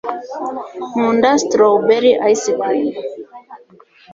nkunda strawberry ice cream